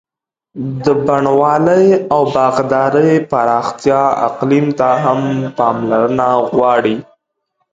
د بڼوالۍ او باغدارۍ پراختیا اقلیم ته هم پاملرنه غواړي.